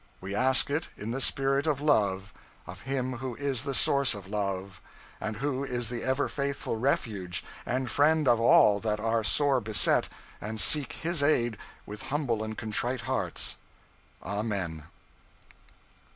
We ask it, in the spirit of love, of Him Who is the Source of Love, and Who is the ever faithful refuge and friend of all that are sore beset and seek His aid with humble and contrite hearts. Amen.